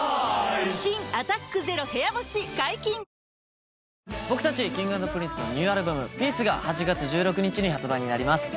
新「アタックＺＥＲＯ部屋干し」解禁‼僕たちＫｉｎｇ＆Ｐｒｉｎｃｅのニューアルバム『ピース』が８月１６日に発売になります。